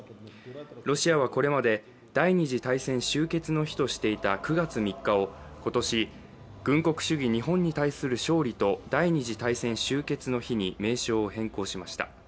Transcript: ロシアはこれまで第二次大戦終結の日としていた９月３日を今年、軍国主義日本に対する勝利と第二次大戦終結の日に名称を変更しました。